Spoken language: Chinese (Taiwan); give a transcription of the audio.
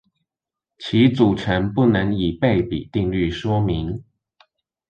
其組成不能以倍比定律說明？